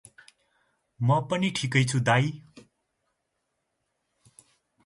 म पनि ठिकै छु दाई ।